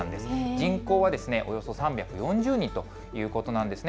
人口はおよそ３４０人ということなんですね。